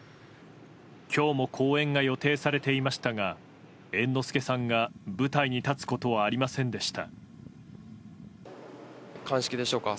今日も公演が予定されていましたが猿之助さんが舞台に立つことはありませんでした。